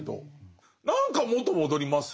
何か元戻りますよね。